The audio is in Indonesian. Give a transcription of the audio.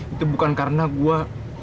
itu bukan karena gua